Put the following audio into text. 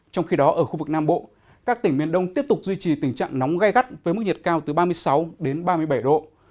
trong khi đó ở khu vực nam bộ các tỉnh miền đông tiếp tục duy trì tình trạng nóng gai gắt với mức nhiệt cao từ ba mươi sáu đến ba mươi bảy độ